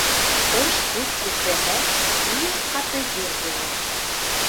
Ҡыш күк күкрәһә, бик ҡаты ел булыр.